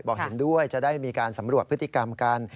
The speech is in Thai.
เห็นด้วยจะได้มีการสำรวจพฤติกรรมกัน